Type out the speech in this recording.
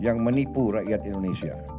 yang menipu rakyat indonesia